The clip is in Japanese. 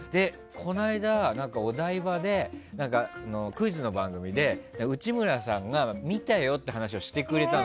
この間、お台場でクイズの番組で内村さんが見たよって話をしてくれたの。